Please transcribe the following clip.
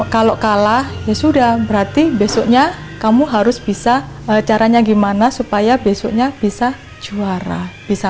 kalau kalah ya sudah berarti besoknya kamu harus bisa caranya gimana supaya besoknya bisa juara bisa